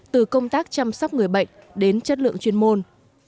từ công tác chăm sóc người bệnh đến chất lượng chuyên môn